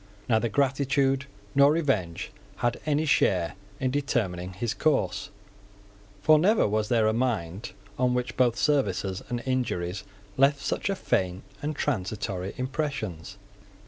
Neither gratitude nor revenge had any share in determining his course; for never was there a mind on which both services and injuries left such faint and transitory impressions.